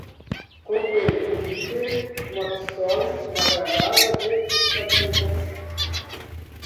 Comprei um rifle, uma pistola, uma granada de fragmentação